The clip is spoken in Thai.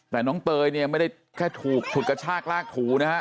แต่น้องเตยเนี่ยไม่ได้แค่ถูกฉุดกระชากลากถูนะฮะ